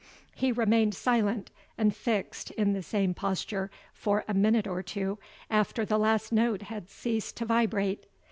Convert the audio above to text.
He remained silent and fixed in the same posture for a minute or two, after the last note had ceased to vibrate.